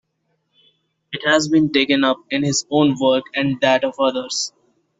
It has been taken up in his own work, and that of others.